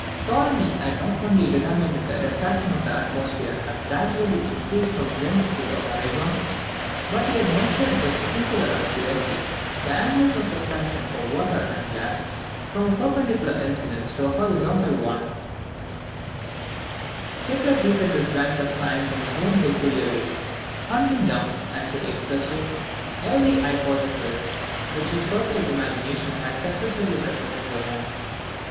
Ptolemy had not only determined that the refraction of the atmosphere had gradually increased from the zenith to the horizon, but he had measured with singular accuracy the angles of refraction for water and glass, from a perpendicular incidence to a horizontal one. Cassini was born in 1625, and died in 1712. Kepler treated this branch of science in his own peculiar way, "hunting down," as he expressed it, every hypothesis which his fertile imagination had successively presented to him.